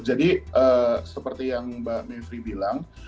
jadi seperti yang mbak mivri bilang